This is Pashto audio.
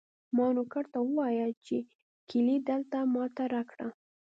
ما نوکر ته وویل چې کیلي دلته ما ته راکړه.